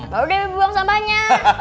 baru debbie buang sampahnya